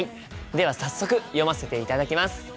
では早速読ませていただきます。